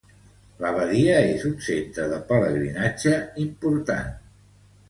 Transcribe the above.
L'abadia és un centre de pelegrinatge important.